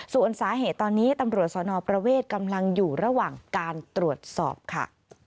ส่วนสาเหตุตอนนี้ตำรวจสนประเวทกำลังอยู่ระหว่างการตรวจสอบค่ะ